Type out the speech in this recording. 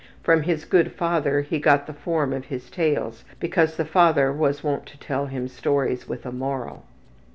From his good father he got the form of his tales, because the father was wont to tell him stories with a moral.